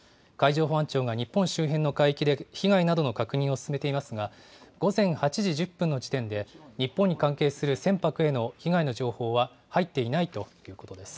海上保安庁が日本周辺の海域で被害などの確認を進めていますが、午前８時１０分の時点で、日本に関係する船舶への被害の情報は入っていないということです。